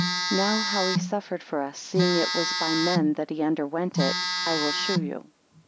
8 Now how he suffered for us, seeing it was by men that he underwent it, I will shew you.